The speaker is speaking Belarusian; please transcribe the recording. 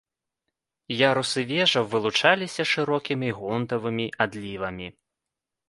Ярусы вежаў вылучаліся шырокімі гонтавымі адлівамі.